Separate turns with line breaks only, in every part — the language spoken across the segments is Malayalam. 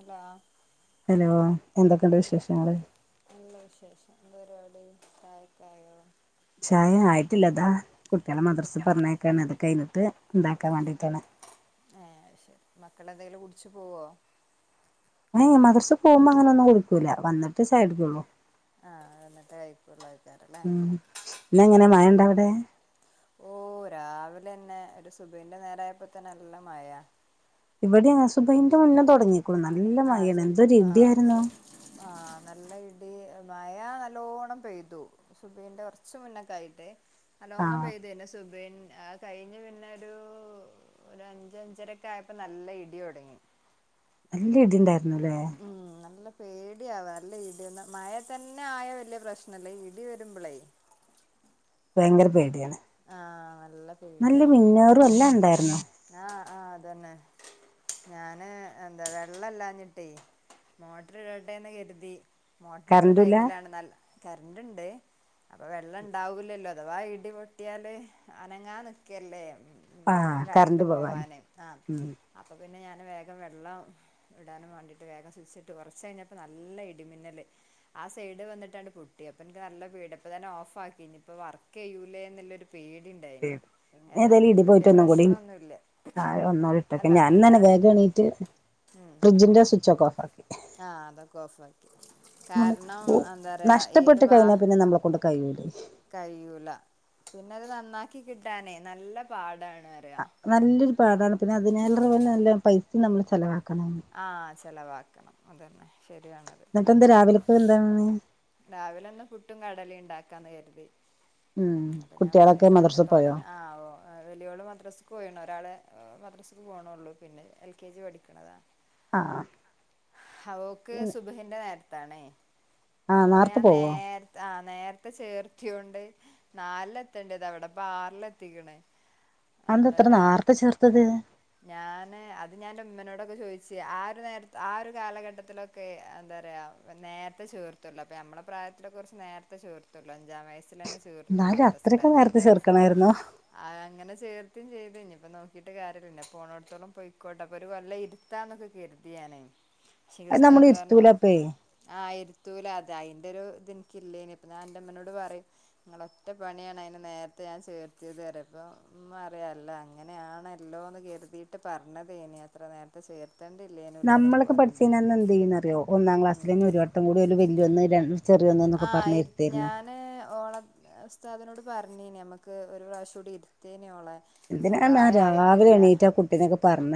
അല്ലാ
ഹലോ എന്തൊക്കെയണ്ട് വിശേഷങ്ങള്
നല്ല വിശേഷം എന്താ പരിപാടി ചായക്കെ ആയോ
ചായ ആയിട്ടില്ല താ കുട്ടിളെ മദ്രസ്
കുട്ടികളെ മ
പറഞ്ഞേക്കാണ് കഴഞ്ഞിട്ട് ഇണ്ടാക്കാ വേണ്ടിട്ടാണ്
ആ ശരി മക്കള എന്തെലും കുടിച്ച് പോവോ
ഏ മദർസ് പോമ്പോ അങ്ങനെ ഒന്നും കുടിക്കൂല വന്നിട്ട് ചായക്കുടിക്കുള്ളൂ
ആ അ എന്നിടെ കഴിക്കുളോ
ഉ പിന്ന് എങ്ങനെ മഴണ്ടവിടെ
ഓ രാവിലെന്നെ സുബഹിന്റെ നേരയപ്പോ തന്നെ നല്ല മായ
ഇവിടെ ആസുബൈന്റെ മുന്നേ തുടങ്ങിക്ക്ണ് നല്ല
ആ
മയ
സു
എന്തൊരു
ആ
ഇടി ആയിരുന്നു
ബി മഴ നല്ലോണം പെയ്തു സുബൈൻ്റെ കുറച്ച് മുന്നൊക്കെയിട്ട് അലോണം
ആഹ്
പെയ്ത് നെ സുബൈഹി ആ കഴിഞ്ഞ് പിന്നെരു ഒരു അഞ്ച അഞ്ചരക്കെ ആയപ്പോ നല്ല ഇടി തുടങ്ങി
നല്ല ഇടിണ്ടായിരുന്നു ല്ലേ
പേടിയാവ അല്ല ഇടിന്ന മഴ തന്നെ ആയ വല്യ പ്രശ്നല്ലേ ഇടി വരുമ്പോളേ
ഭയങ്കര പേടിയാണ്
ആഹ് നല്ല
നല്ല
പേടിയാ
മി ന്നേറും എല്ലാം ഉണ്ടായിരുന്നു
ആ അതന്നെ ഞാന് എന്താ വെള്ളംല്ലാഞ്ഞിട്ടേ മോട്ടർ ഇട്ടെന്ന് കരുതി മോട്ടർ ഇട്ട
കറന്റുല്ല
ടൈമിലാണ് നൽ കറണ്ട് ഉണ്ട് അപ്പൊ വെള്ളം ഉണ്ടാവൂല്ലല്ലോ അഥവാ ഇടിപോ ട്ടിയാല് അനങ്ങാൻ നിൽക്കല്ലേ
ആഹ്
വേഗം കരണ്ട്
കറന്റ്
പോവാന് ആ
ഉം
അപ്പോ പി പിന്നെ ഞാൻ വേഗം വെള്ളം ഇടാനും വേണ്ടിയിട്ട് വേഗം സ്‌വിച്ചിട്ട് കുറച്ച് കഴിഞ്ഞപ്പൾ നല്ല ഇടിമിന്നല് ആ സൈഡ് വന്നിട്ടാണ്ണ് പൊട്ടി അപ്പൊ എനിക്ക് നല്ല പീഡപ്പ തന്നെ ഓഫ് ആക്കി ഇനിയിപ്പ വർക്ക് ചെയ്യൂലേ പീടി ഇണ്ടായിന്
ഏതാലും ഇടി പോയിട്ട് ഒന്നും കൂടി ആ ഒന്നോടി ഇട്ടൊക്കെ
അല്ല അപ്പൊ
ഞാനൻന്നന്നെ
ഞാന്
വേഗം എണീറ്റ്
ഉം
ഫ്രിഡ്ജിന്റെ ആ സ്വിച്ച് ഒക്കെ ഓഫാക്കി
ആഹ് അതൊക്കെ ഓഫ് ആക്കി
നമുക്ക്
കാരണം എന്താ പറയാ ഏത്
നഷ്ടപ്പെട്ട് കഴിഞ്ഞാൽ പിന്നെ നമ്മളെ കൊണ്ട് കഴിയൂലെ
കഴൂല പിന്നെത് നന്നാക്കി കിട്ടാനേ നല്ല പാടാണ് അറിയാ
നല്ലൊരു പാടാണ് പിന്നെ അതിനെല്ല പോലെ നല്ല പൈസ നമ്മള് ചെലവാ
ആ ചെലവാക്കണം അതന്നെ ശരിയാണത്
എന്നിട്ട് എന്താ രാവിലക്ക് എന്താണ്
രാവിലെ ഒന്ന് പുട്ടും കടലി ഉണ്ടാക്കാന്ന് കരു
ഉം
അപ്പൊ ഞാൻ
കുട്ടികളൊക്കെ
പണികളൊക്കെ
മദ്രസ പോയോ
തുടങ്ങ ആഓ വലിയോള് മദ്രാസക്ക് പോയിണു ഒരാള് മദ്രാസക്ക് പോണോള്ളൂ പിന്നെ എൽ കെ ജി പഠിക്കണതാ
ആ
അവോക്ക് സുബഹിന്റെ നേരത്താണെ
ആഹ്
ഓളെ
നേർത്തെ
ഞാൻ
പോവോ
നേരത്തെ ആ നേരത്തെ ചേർത്തിയൊണ്ട് നാലില എത്തേണ്ടത അവിടെപ്പൊ ആറിലെത്തിക്കണേ
അന്തത്ര നേരത്തെ ചേർത്തത്
ഞാന് അത് ഞാൻന്റെ ഉമ്മനോടൊക്കെ ചോദിച്ച് ആ ഒരു നേര ആ ഒരു കാലഘട്ടത്തിലൊക്കെ എന്താ നേരത്തെ ചേർത്തുള്ളൂ അപ്പ നമ്മെ പ്രായത്തെ കുറിച്ച് നേരത്തെ ചേർത്തല്ലോ അഞ്ചാം വയ സ് ല്ലേ ന്നെ ചേത്തു
എന്നാലും
മദ്രസ
അത്രയൊക്കെ നേർത്തെ
അഞ്ചന്റെ വയസ്
ചേർക്കണായിരുന്നോ
അങ്ങനെ ചേർക്കും ചെയ് ഇനി ഇപ്പ നോക്കിട്ട് കാര്യല്ല പോണോടത്തോളം പോയിക്കോട്ടെ അപ്പൊ ഒരു കൊല്ലം ഇരുത്താന്നൊക്കെ കരുതിയാനേ ക്ഷേ
അത് നമ്മൾ
ഉസ്താദ് പറഞ്ഞു
ഇരുത്തൂലപ്പേ
ആ ഇരുത്തം ത്തൂല അതെ അതിന്റെ ഒരു ഇതെനിക്കില്ലേ ഇനിപ്പ ഞാ എന്റെ അമ്മനോട് പറയും നിങ്ങളൊറ്റ പണിയാണ് അതിന് നേര ഞാൻ ചേർത്തിത് തരെപ്പം അല്ല അങ്ങനെ ആണല്ലോ അങ്ങനെയാണല്ലോ എന്ന് കറി വീട്ട് പറഞ്ഞത് ഇനി അത്ര നേരത്തെ ചേർത്ത്
നമ്മളൊക്ക് പഠിച്ചുനാന്നന്ന് എന്ത് ചെയ്യുന്ന അറിയോ ഒന്നാം
ഉം
ക്ലാസ്സൽ തന്നെ ഒരു വട്ടംകൂടി വല്ന്ന് രണ്ട്
ആ ഞാന് ഓള ഉസ്‌താതി നോട് പറഞ്ഞീ നമുക്ക് ഒരു പ്രാവശം കൂടി ഇരുത്തേനേ ഓളെ
എന്തിനാ രാവിലെ
പ്രായായിട്ടില്ല
എണീറ്റ് ആ കുട്ടീനൊക്കെ പറഞ്ഞ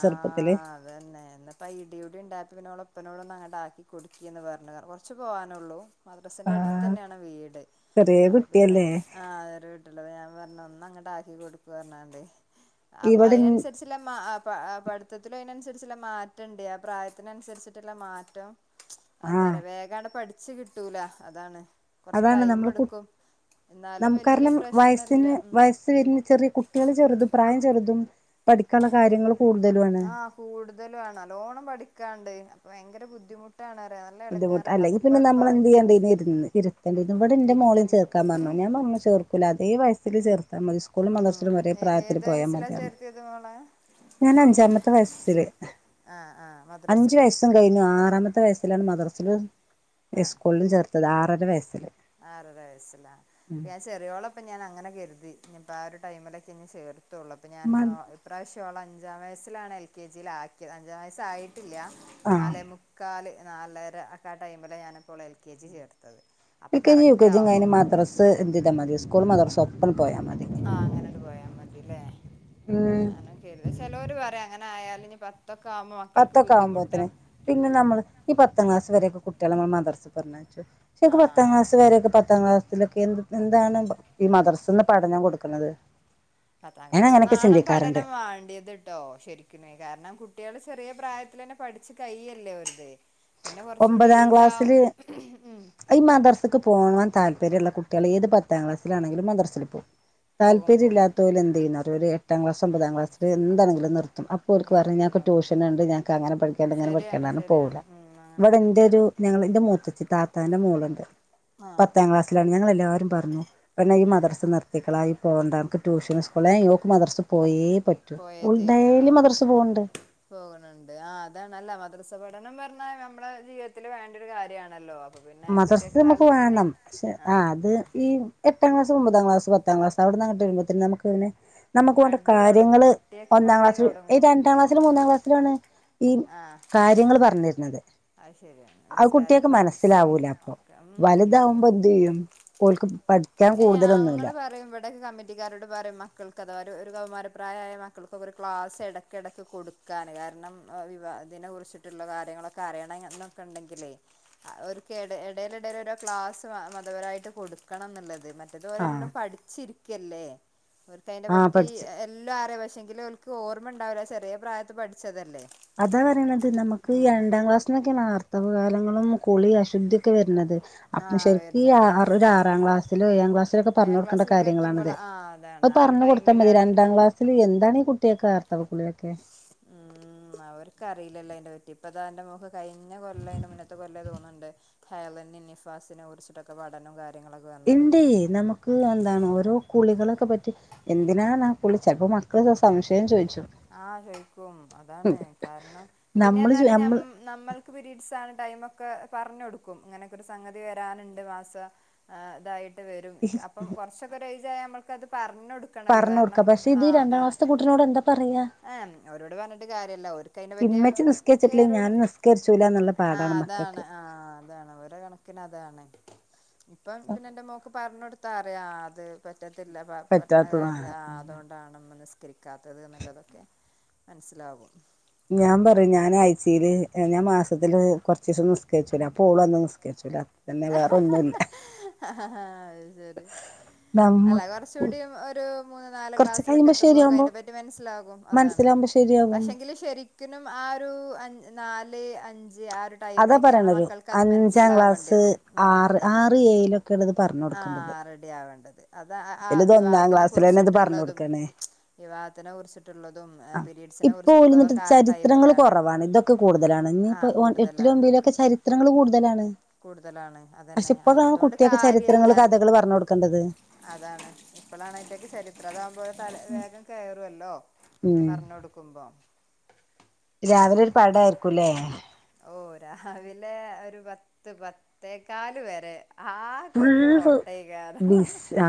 ആഹ് അതന്നെ ഇന്ന് പ്പൊ ആ ഇടി ഉണ്ടാ ഉപ്പനോളം ഒപ്പനോളം ഒന്ന് അങ്ങട് ആക്കി കൊടുക്കി എന്ന് പറഞ്ഞ കുറച്ച് പോകാനുള്ളൂ മദ്രസിൻ്റെ അടുത്ത്
ആഹ്
തന്നെയാണ് വീട്
ചെറിയ
അപ്പോം പിന്നെ
കുട്ടിയല്ലേ
അവരു വീട്ടിലുള്ളത് ഞാൻ പറഞ്ഞ ഒന്ന് അങ്ങോട്ട് ആക്കി കൊടുക്കു പറഞ്ഞണ്ട് അ
ഇവിടെ
അതിനനുസരിച്ചുള്ള മാ പ പഠിത്തത്തിലും അതിനന്നുസരിച്ചുള്ള മാറ്റം ഉണ്ട് പ്രായത്തിനനുസരിച്ചിട്ടുള്ള മാറ്റം എന്താ
ആഹ്
പറയാ വേഗണ്ട് പഠിച്ചു കിട്ടൂല അതാണ് കൊറച്ച് ടൈം എടുക്കും എന്നാലും
നമുക്ക്
വല്യ
കാരണം
പ്രശ്നല്ല
വയസ്സിന് വയസ്
ഉം
വരുന്ന ചെറിയ കുട്ടികള് ചെറുതും പ്രായം ചെറുതും പഠിക്കാനുള്ള കാര്യങ്ങൾ കൂടുതലുമാണ്
ആഹ് കൂടുതല വണ നല്ലോണം പഠിക്കാണ്ട് ഭയങ്കര ബുദ്ധിമു
ബുദ്ധിമുട്ട് അല്ലെങ്കിൽ പിന്നെ നമ്മള് എന്ത് ചെയ്യണ്ടരി ഇരുന്ന് ഇരുത്തണ്ട ഇവിടെ എന്റെ മോളെ
ഇരുത്തൻ
ചേർക്കാൻ പറഞ്ഞു ഞാൻ പറ ചേർക്കൂല അതേ വയസിൽ ചേർത്താ മതി സ്കൂളും
ഉം
മദ്രസിലും ഒരേ പ്രായത്തില്
ഏത്
പോയാൽ
വയസ്സിലാ
മതി പറഞ്ഞു
ചേർത്തിയത് മോളെ
ഞാൻ അഞ്ചാമത്തെ വയസ്സില്
ആഹ് ആഹ്
അഞ്ചു
മദ്രസില്
വയസ്സും കഴിഞ്ഞു ആറാമത്തെ വയസ് ലാണ് മദ്രസിലും
ആഹ്
സ്കൂളിലും ചേർത്തത് ആറര വയസ്
ആറര വയസല്ല ഞാൻ ചെറിയോളപ്പ ഞാൻ അങ്ങനെ കരി ഇനിപ്പ ആ ഒരു ടൈമിലൊക്കെ ഇഞ് ചേർത്തുള്ളൂ അപ്പൊ ഞാന്
മ
ഇപ്രാവശ്യം ക്ഷോള അഞ്ചാം വയസ്സിലാണ് എൽ കെ ജിയിലാക്കിയത് അഞ്ചാം വയസ്സായിട്ടില്ല
ആഹ്
നാലെ മുക്കാൽ നാലര ആക്കെ ആ ടൈമിൽ ഞാനിപ്പോൾ എൽ കെ ജി ചേർത്തത് അപ്പൊ
L K G U K
correct
G
ആകും
കഴിഞ്ഞ് മദ്രസ എന്തിനാ മതി സ്കൂളും മദ്രസും ഒപ്പം പോയാൽ മതി
ആഹ് അങ്ങനോട്ട് പോയാ മതില്ലേ
ഉം.
ഞാനും കേല്ല ചിലവര് പറയാ അങ്ങ ആയാല് ഞ്ഞ പ
പത്തൊക്കെ ആകുമ്പോത്തന്നെ പിന്നെ നമ്മള് ഈ പത്താം ക്ലാസ് വരൊക്കെ കുട്ടികൾ നമ്മൾ മദ്രസ്ക്ക് പറഞ്ഞ പ പത്താം
ആഹ്
ക്ലാസ് വരൊക്കെ പത്താം ക്ലാസെ എ എന്താണ് ഈ മദ്രസിന്ന് പഠനം കൊടുക്കുന്നത്
പത്താം
ഞാൻ
ക്ലാസ്
അങ്ങനെയൊക്കെ
നാണം
ചിന്തിക്കാറുണ്ട്
പഠനം വേണ്ടിയത്ട്ടോ ശരിക്കനേ കാരണം കുട്ടികൾ ചെറിയ പ്രായത്തി തന്നെ പഠിച്ചു കയല്ലേ ഒത്
ഒമ്പതാം ക്ലാസ്സില്
ഉം
ഈ മദ്രസ്ക്ക് പോണാൻ താല്പ പര്യള്ള കുട്ടികൾ ഏത് പത്താം ക്ലാസിലാണെങ്കിലും മന്ത്രസിൽ പോ
പോകും പോകും
താല്പര്യംമില്ലാത്ത ഓല് എന്ത് ചെയ്യുന്ന എട്ടാം ക്ലാസ്
ഉം
ഒമ്പതാം
ഉം
ക്ലാസ് എന്താണെങ്കിലും നിർത്തും അപ്പോക്ക് പറയും
നിർത്തും
ഞൾക്ക്
നിർത്തും
ടൂഷനുണ്ട് ഞങ്ങക്ക്ങ്ങന പഠിക്കണ്ട് ഇങ്ങന പഠിക്കണ്ട്
ശരിയാണ് ശരിയാണ് ഉം അങ്ങനെ
ഇവിടെ എന്റെ ഒരു
തന്നെയാണ്
ഞങ്ങ എന്റെ മൂത്തത്തി താത്താന്റെ മൂളുണ്ട്
ആഹ്
പത്താം ക്ലാസ്സിലാണ് ഞങ്ങൾ എല്ലാവരും പറഞ്ഞു പെണ്ണെ ഈ
ഉം
മദ്രസ് നിർത്തിക്കളായി പോകണ്ട നക്ക് ട്യൂഷനും സ് പൊള്ളെ ഓക്ക് മദ്രസ് പോയേ പറ്റൂ
പോയേ
ഓള്
തീരു ആ
ഡെയിലി മദർസ് പോവ്ണ്ട്
പോകണണ്ട് ആഹ് അതാ നല്ല മ മദ്രസ പഠനം പറഞ്ഞാൽ നമ്മളുടെ ജീവിതത്തിൽ വേണ്ട ഒരു കാര്യമാണല്ലോ
മദ്രസ് നമുക്ക് വേണം പക്ഷെ
ആഹ്
അത് ഈ എട്ടാം ക്ലാസ് ഒമ്പത് തം ക്ലാസ് പത്താം ക്ലാസ് അവിടന്ന് അങ്ങട്ട് മുമ്പത്ത് നമ്മക്ക് ഇങ്ങനെ നമുക്ക് പോണ്ട
മടി തൊടങ്ങും
കാര്യങ്ങള്
കുട്ടികൾക്ക്
ഒന്നാം
മടി
ക്ലാസ്സില്
തൊടങ്ങും
രണ്ടാം
മെയിന്
ക്ലാസ്സിലും മൂന്നാം ക്ലാസ്സിലും ആണ് ഈ
ആഹ്
കാര്യങ്ങൾ പറഞ്ഞിരുന്നത്
അത് ശരിയാണ്
ആ കുട്ടിയക്കെ
നിസ്കാരത്തിനെ
മനസ്
കുറിച്ചും
മനസ്സിലാവൂല അപ്പൊ
ഒക്കെ ഉം ഇല്ലല്ലോ
വലുതാവുമ്പോ എന്ത് ചെയ്യും ഓൾക്ക് പഠിക്കാൻ കൂടുതലൊന്നുമില്ല
ടെ കമ്മിറ്റിക്കാരോട് പറയും മക്കൾക്ക് അഥവാ ഒരു കൗമാരപ്രായമായ മക്കൾക്ക് ഒരു ക്ലാസ് ഇടക്കിടക്ക് കൊടു കാന് കാരണം വി അതിനെ കുറിച്ചിട്ടുള്ള കാര്യങ്ങളൊക്കെ അറിയണം എന്നൊക്കെ ഉണ്ടെങ്കിലേ ഒരു കേ ഇട ഇടയില് ഇടയിലീടെ ക്ലാസ് മതപരമായിട്ട് കൊടു ക്കണം എന്നുള്ളത് മറ്റേതുപോലെ
ആ
എല്ലാം പഠിച്ചിരിക്കല്ലേ അവർക്ക് അതിനെ
ആ
പറ്റി
പഠിച്ചു
എല്ലാം അറിയ പക്ഷെങ്കിലും അവർക്ക് ഓർമ്മ ഉണ്ടാവില്ല ചെറിയ പ്രായത്ത് പഠിച്ചതെ
അതാ പറയണത് നമുക്ക് രണ്ടാം ക്ലാസ്സിനൊക്കെയാണർ തവ കാലങ്ങളും കുളി അശുദ്ധിയൊക്കെ വരുന്നത് അപ്പൊ
ആഹ്
ശരിക്കും ഈ ആ
വരുന്നത്
ഒരു ആറാം ക്ലാസ്സിലും ഏഴാം ക്ലാസ്സിലൊക്കെ പറഞ്ഞു
ഏഴാം
കൊടുക്കേണ്ട
ക്ലാസ്സിലൊക്കെ എത്തുമ്പോൾ
കാര്യങ്ങളാണിത്
ആ
അത്
അതാണ് ആ ഒരു
പറഞ്ഞ കൊടുത്താൽ മതി
ടൈമിലാണ്
രണ്ടാം
അവർക്ക്
ക്ലാസ്സില് എന്താണ് ഈ കുട്ടിയൊക്കെ ആർത്തവ കുള്ളിയൊക്കെ
ആ അവർക്ക അറിയില്ലല്ലോ അന്റെ പറ്റി ഇപ്പതാ എന്റെ മുഖ കഴിഞ്ഞ കൊല്ല അന്റെ മുന്നത്തെ കൊല്ല തോന്നുന്നുണ്ട് ഹ ള് നിഫാസെ കുറിച്ചി ഒക്കെ പഠനം കാര്യ
ഇണ്ട് നമുക്ക് എന്താണ് ഓരോ കുളികളൊക്കെ പറ്റി എന്തിനാണ് ആ കുളിച്ചത് അപ്പോ മക്കൾ സംശയം ചോദി
ആ ചോയ്ക്കും അതാണ് കാരണം പിന്നെ
നമ്മള്
എന്നാല്
നമ്മൾ
നമ്മൾക്ക് പിരീഡ്സ് ആണ ടൈമ ഒക്കെ പറഞ്ഞ കൊടുക്കും ഇങ്ങനെയൊക്കെ ഒരു സംഗതി വരാനുണ്ട് മാസം ഇതായിട്ട് ക്ക് വരും അപ്പം കുറച്ചൊക്കെ ഏജ് ആയാൽ നമുക്കത് പറഞ്ഞ്
പറഞ്ഞ കൊടുക്ക പക്ഷേ ഇത് രണ്ടാംക്ലാസത്തെട്ടിനോട്ന്താ പറയാ
ആ അവരോട് പറഞ്ഞിട്ട് കാര്യല്ല ഒര്ക്ക് അയിനേപറ്റി
ഇമ്മച്ചി നിസ്കരിച്ചിട്ടില്ലെങ്കിൽ ഞാൻ
കേറൂന്ന്
നിസ്കരിച്ചൂല എന്നുള്ള
ആ
പാടാണ് മക്കൾക്ക്
അതാണ് ആ അതാണ് ഓരോ കണക്കിന് അതാണ് ഇപ്പം പിന്നെ എന്റെ മോക്ക് പറഞ്ഞഞ് കൊടുത്താ അറിയ അത് പറ്റത്തില്ല പറ്റണ കാര്യം
പറ്റാത്തതാണ്
അതുകൊണ്ടാണ് നിസ്കരിക്കാത്തത് ഇള്ളത് മനസ്സിലാവും
ഞാൻ പറയും ഞാനാഴ്ചയില് ഞാൻ മാസത്തില് കുറച്ച ദിവസം നിസ്കാരിച്ചല അപോളും അന്നും നിസ്കാരിച്ചുല പിന്നെ വേറെൊന്നുംല്ല
ആ അത് ശരി
നമ്മ
അല്ല കൊറച്ച കൂടി ഒരു മൂന്ന് നാല്
കുറച്ച് കഴിയുമ്പോ
ക്ലാസിലക്കെത്തുമ്പോക്കെ
ശരിയാവുമ്പോ
അതിനെ പറ്റി മനസ്സിലാകും അതാണ്
മനസ്സിലാവുമ്പോ ശരിയാകും
പക്ഷെങ്കില് ശരിക്കനും ആ ഒരു നാല് അഞ്ച് ഞ്ച് ആ ഒരു
അതാ
ടൈമിലൊക്കെയാണ്
പറയണരു
മക്കൾക്ക് അത്
അഞ്ചാം
മനസ്സിലാവേണ്ടത് ആ അത തന്നെ അത തന്നെ
ള്ളത് പറഞ്ഞു കൊടുക്കേണ്ടത്
അത ആ
ഇതിലിത് ഒന്നാം
വിവാഹത്തിനെ
ക്ലാസ്സിൽ തന്നെ ഇത് പറഞ്ഞു
കുറിച്ചിട്ടുള്ളതും
കൊടുക്കണേ
വിവാഹത്തിനെ കുറിച്ചിട്ടുള്ളതും
ആ
പിരീഡ്സിനെ
ഇപ്പൊ ഓല് ന്നിട്ട്
കുറിച്ചിട്ടുള്ളതൊക്കെ ആ ഒരു ടൈമിലാണ്
കഞ്ഞ
ആ
ഇപ്പോ എട്ടിലും
കൂടുതലാണ്
ഒൻമ്പിലോ ഒക്കെ ചരിത്രങ്ങള് കൂടുതലാണ്
കൂടുതലാണ് അതന്നെ അ അതുകൊണ്ട് കാര്യം
ത്രങ്ങള് കഥകള് പറഞ്ഞു കൊടുക്കേണ്ടത്
ഇപ്പോളാണ് അയിറ്റേക്ക് ചരിത്രംകുമ്പോെ തല വേഗം കേയറുവല്ലോ
ഉം
പറഞ്ഞൊടുക്കുമ്പോ
രാവിലെ ഒരു പാടായിരിക്കുംല്ലേ
ഓ രാവിലെ ഒരു പത്ത് പത്തേക്കാല് വരെ ആ ഒരു
ഫുള്ള്
ഓട്ടയ്ക്കാരം
ബിസ് ആ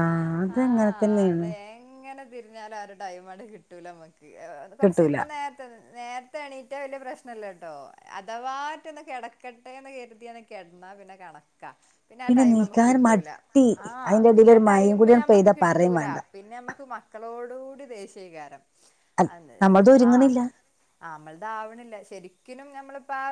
ആ
അതങ്ങനെ
അത
തന്നെയാണ്
എങ്ങനെ തിരിഞ്ഞാലും ആരു ടൈം ആ കിട്ടൂല നമ്മുക്ക് കൊറച്ച
കിട്ടൂല
ഇപ്പ നേരത്തെ നേരത്തെ എണീറ്റാ വലിയ പ്രശ്നല്ല ട്ടോ അഥവാറ്റൊന്ന് കിടക്കട്ടെന്ന് കരുതിയൊന്ന് കെടന്ന പിന്നെ കണക്കാ പിന്നെ ആ ടൈം നമ്മക്ക്
നീക്കാൻ
കി
മടി
ട്ടൂല
ടി
ആ
അതിന്റെ ഇടയിൽ
പിന്നെ
ഒരു മഴയും
ടൈം
കൂടിയാണ്
നമ്മക്ക്
പെയ്താ പറയും
കിട്ടൂല
വേണ്ട
പിന്നെ നമ്മക്ക് മക്കളോട് ദേഷെയ്കാരം
നമ്മളത്
ആ
ഒരുങ്ങണില്ല
നമ്മളതാവണില്ല ശെരി ഒരിക്കിനും നമ്മളിപ്പോ ആ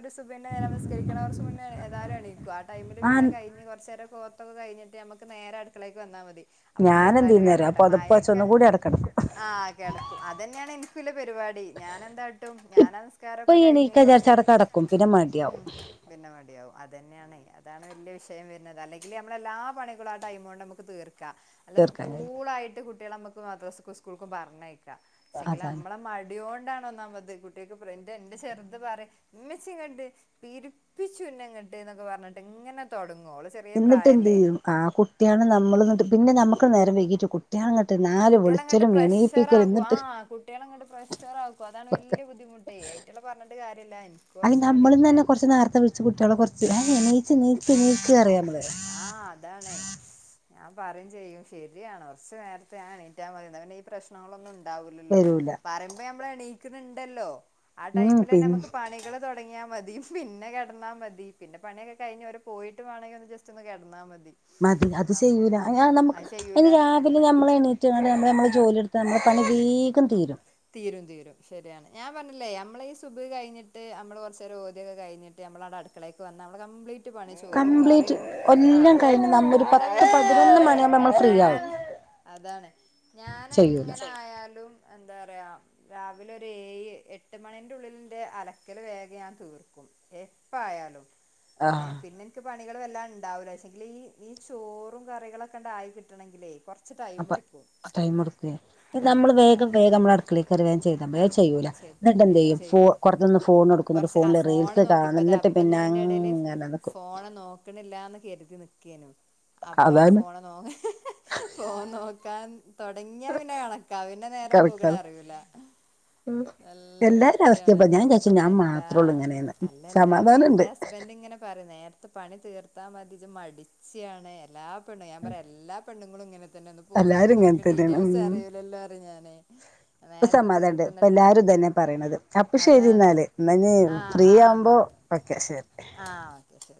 ഒരു സു പിന്നെ നമസ്കരിക്കണ കൊറച്ച് മുന്നേ ഏതാലും എണി ആ ആ ടൈമില്
ആ
പിന്നെ കഴിഞ് കൊറച്ചേരൊക്കെ ഓത്തൊക്കെഴിഞ്ഞിട്ട് നമുക്ക് നേരെ അടുക്കളേക്ക് വന്നാ മതി അപ്പൊ
ഞാൻ എന്ത്
ചെറുതായിട്ട്
ചെയ്യുന്നേറിയോ
കെടക്കട്ടെ
പൊതപ്പ് വെച്ച്
മഴൊക്കെ
ഒന്നും കൂടി അവിടെ കിടക്കും
ആ കെടക്കും അതെന്നെണ് ൻക്കും ല്ല പരിപാടി മടി ഞാനെന്താട്ടും
ഇപ്പൊ
ഞാനാനിസ്കാരൊക്കെ കഴിഞ്ഞ്
എണീക്കാ വിചാരിച്ചാ അവിടെ
കൊറച്ചേരം
കിടക്കും പിന്നെ
ഉം
മടിയാവും
പിന്നെ മടിയാവും അതന്നെണ് അതാണ് വല്യ വിഷയം വരുന്നത് അല്ലെങ്കിൽ നമ്മളെല്ലാ പണികളും ആ ടൈമോണ്ട് നമുക്ക് തീർ ക്ക നല്ല
തീർക്കാൻ കഴിയും
കൂളായിട്ട് കുട്ട്യാളെ നമ്മക്ക് മദ്രസ്ക്കും സ്കൂൾക്കും പറഞ്ഞയക്കാ പക്ഷേങ്കിൽ
അതാണ്
നമ്മളെ മ ടിയോണ്ടാണ് ഒന്നാമത് കുട്ട്യാക്ക് ന്റെ ചെറുത് പറയും മ്മച്ചി ങ്ങട്ട് തിരിപ്പിച്ചും പിന്നെങ്ങട്ട് ന്നൊക്കെ പറഞ്ഞിട്ട് ങ്ങനെ തൊടങ്ങും
ന്നിട്ടെന്തെയ്യും ആ കുട്ട്യാള് നമ്മൾന്ന് ട്ട് പിന്നെ നമ്മക്ക് നേരം വെഗീറ്റ് കുട്ട്യാളെ
കുട്ട്യാള്ങ്ങട്ട് പ്രഷർ ആകും ആ കുട്ട്യാള്ങ്ങട്ട് പ്രഷർ ആകും അതാണ് വല്യ ബുദ്ധിമുട്ടേ കുട്ട്യാളെ പറഞ്ഞിട്ട് കാര്യ
അത് നമ്മളും തന്നെ കൊറച്ച് നേരത്തെ വിളിച്ച് കുട്ട്യാളെ കൊറച്ച് നീച്ച് നീച്ച് നീച്ച്
ആ അതാണേ ഞാൻ പറിം ചെയ്യും ശെര്യാണ് കൊർച് നേരത്തെ ഞാ എണീറ്റാമതിന്ന് ന്നാ പിന്നെ ഈ പ്രശ്നങ്ങളൊന്നും ണ്ടാവൂലല്ലോ
വരൂല
പറിമ്പോ ഞമ്മള് എണീക്ക്‌ണ് ണ്ടല്ലോ ആ
ഉം
ടൈമിലെന്നെ
പിന്നെ
മ്മക്ക് പണികള് തൊട ടങ്ങ്യ മതി പിന്നെ കെട്ന്നാ മതി പിന്നെ പണിക്കെ കഴിഞ്ഞ് അവര് പോയിട്ട് മാണെങ്കി ഒന്ന് ജസ്റ്റൊന്ന് കെട്ന്നാ മതി
മതി അത്
അപ്പം
ചെയ്യൂല
ഉം
ഞ നമക്ക്
അത്
പിന്നെ
ചെയ്യൂല
രാവിലെ നമ്മളെ ണീറ്റ്കാണ്ട് ഞമ്മൾ മ്മളെ ജോലിയെട്ത്താൽ നമ്മളെ പണി വേഗം തീരും
തീരും തീരും ശര്യാണ് ഞാൻ പർഞ്ഞിലേ ഞമ്മളെ ഈ സുബ്ഹ് കൈഞ്ഞിട്ട് ഞമ്മള് കൊറച്ചേരം ഓത്യോക്കെ കൈഞ്ഞിട്ട് നമ്മളാടെ അട്ക്കളേക്ക്‌ വന്ന മ്മൾ കംപ്ലീ റ്റ് പണി ചോറും
കംപ്ലീറ്റ്
കറിം ആ
എല്ലാം കഴിഞ്ഞ് നമ്മൊരു
ഇവടെ
പത്ത്
പിന്നെ
പതിനൊന്ന്
ഞാന്
മണിയാകുമ്പോ നമ്മൾ ഫ്രീ ആവും
ഞാൻ അതാണ്
ചെയ്യൂല
ഞാനെങ്ങനായാലും ന്താ റിയാ രാവിലെ ഒരു ഏഴ് എട്ട് മണിന്റെ ഉള്ളിലിന്റെ അലക്കല് വേഗം ഞാൻ തീർക്കും എപ്പായാലും
ആഹ്
പിന്നെ ൻക്ക് പണികൾ ടൈം
അപ്പ
എടുക്കും
ടൈമെട്ക്കേ
ഉം
നമ്മള് വേഗം
അതെ
വേഗം മ്മള് അടുക്കളേക്കേറി വേം ചെയ്ത മതി ചെയ് യ്യൂല
ശരി വേഗം
ന്നട്ടെന്തെയ്യും ഫോ
ചെയ്യൂ
കൊ ർച്ച്ന്ന്ട്ട് ഫോണ് ട്ക്കും ന്നട്ട്
കുറച്ച് ആ
ഫോൺല്
ഫോണ്
റീൽസ്
നോക്കി ഇപ്പ
കാണും
ദാ
ന്ന്ട്ട്
ഇപ്പ ഞാൻ അതിന്റെ ഇടയില്
പിന്നങ്ങ
ഫോണ് നോക്ക്‌ണില്ലാന്ന് കെരുതി നിക്കേനു അപ്പൊ
അതാണ്
ഫോണ് നോ ഫോൺ നോക്കാൻ തൊടങ്യാ പിന്നെ കണക്ക പിന്നെ നേരം
കറക്കാറ്
പോക്ണറിയൂല നല്ല
എല്ലാരും അവസ്ഥ ഇപ്പ ഞാൻ
വിറ്റാണേതാലും
വിചാരിച്ചു ഞാൻ
അല്ലാ
മാത്രേ ഉള്ളൂ ഇങ്ങനെയെന്ന്
അല്ലല്ല
സമാധാനം ഉണ്ട്
ന്റെ ഹസ്ബന്റ് ങ്ങനെ പറിം നേര്ത്തെ പണി തീർ ത്താ മതി ജ്ജ് മടിച്യാണ് എല്ലാ പെണ്ണും ഞാൻ പറിം എല്ലാ പെണ്ണ്ങ്ങളും ങ്ങനെ തന്നെ ഒന്ന്
എല്ലാരും
പോയോക്കി
ഇങ്ങനെ
ങ്ങക്ക്
തന്നെയാണ് ഉം
ഡീറ്റെയിൽസ് അറിയൂലല്ലോ റിം ഞാനേ നേരത്തെ തീർക്കും ‌ന്ന്
ല്ലാരും ഇതെന്നെ പറയണത് അപ്പൊ ശെരി ന്നാല് ന്നാ ഞ്
ആ
ഫ്രീ
ആ
ആവുമ്പോ
എന്നാ
ഓക്കെ ശെരി
ആ ഓക്കെ ശെരി